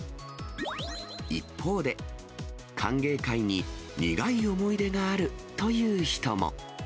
一方で、歓迎会に苦い思い出があるという人も。